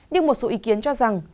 nhưng một số ý kiến cho rằng